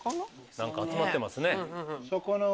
何か集まってますね。